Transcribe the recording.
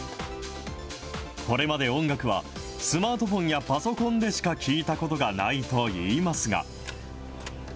これまで音楽は、スマートフォンやパソコンでしか聴いたことがないといいますが。